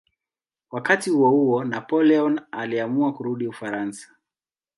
Wakati huohuo Napoleon aliamua kurudi Ufaransa.